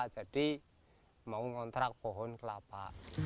jadi mau ngontrak pohon kelapa